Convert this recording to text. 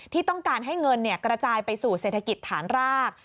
ที่ต้องการให้เงินกระจายไปสู่เศรษฐกิจฐานราก